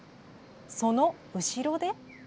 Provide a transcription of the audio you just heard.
その後ろで。